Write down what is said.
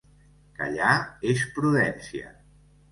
Callar és prudència.